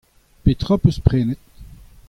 Petra hoc'h eus prenet ?